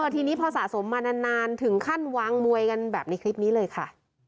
ทีนี้พอสะสมมานานถึงขั้นวางมวยกันแบบในคลิปนี้เลยค่ะ